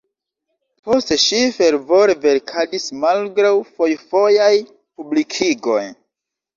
Poste ŝi fervore verkadis malgraŭ fojfojaj publikigoj.